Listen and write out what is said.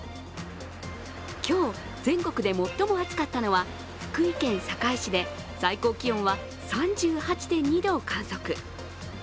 今日、全国で最も暑かったのは福井県坂井市で最高気温は３８．２度を観測。